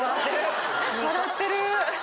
笑ってる。